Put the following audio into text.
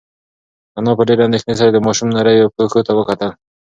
انا په ډېرې اندېښنې سره د ماشوم نریو پښو ته وکتل.